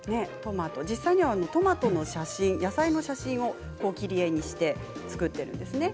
実際にはトマトの写真野菜の写真を切り絵にして作っているんですね。